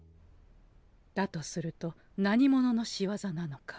だとすると何者のしわざなのか。